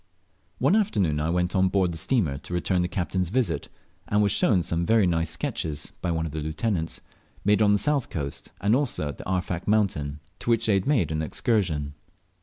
One afternoon I went on board the steamer to return the captain's visit, and was shown some very nice sketches (by one of the lieutenants), made on the south coast, and also at the Arfak mountain, to which they had made an excursion.